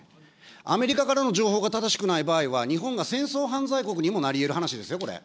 アメリカからの情報が正しくない場合は、日本が戦争犯罪国にもなりえる話ですよ、これ。